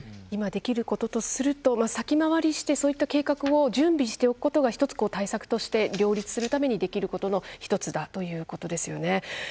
今、できることとすると先回りしてそういった計画を準備しておくことが１つ対策として両立するためにできることの１つだということですよね。